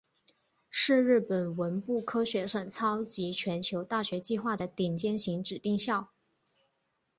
是日本文部科学省超级全球大学计划的顶尖型指定校。